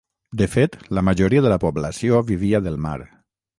De fet, la majoria de la població vivia del mar.